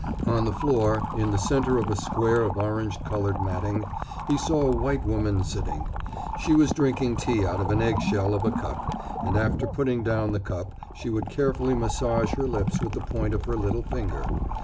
On the floor, in the center of a square of orange colored matting, he saw a white woman sitting. She was drinking tea out of an egg shell of a cup, and after putting down the cup she would carefully massage her lips with the point of her little finger.